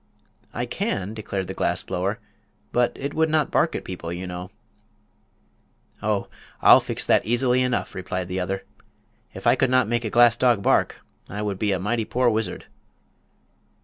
"I can," declared the glass blower; "but it would not bark at people, you know." "Oh, I'll fix that easily enough," replied the other. "If I could not make a glass dog bark I would be a mighty poor wizard."